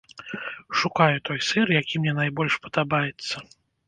Шукаю той сыр, які мне найбольш падабаецца.